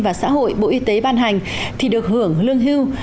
và xã hội bộ y tế ban hành thì được hưởng lương hưu